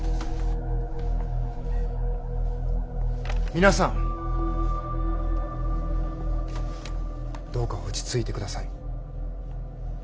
皆さんどうか落ち着いてください。